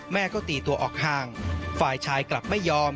แม่ก็ตีตัวออกห่างฝ่ายชายกลับไม่ยอม